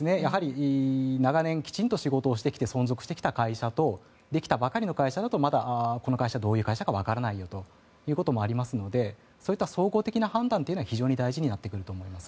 長年きちんと仕事をしてきて存続してきた会社とできたばかりの会社だとまだこの会社はどういう会社かわからないということもありますのでそういった総合的な判断は非常に大事になってきます。